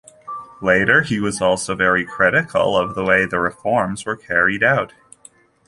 Later, he was also very critical of the way the reforms were carried out.